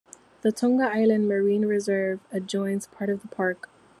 The Tonga Island Marine Reserve adjoins part of the park.